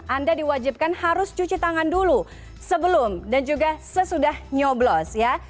anda diwajibkan harus cuci tangan dulu sebelum dan juga sesudah nyoblos ya